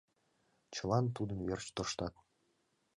Чылан тудын верч тыршат.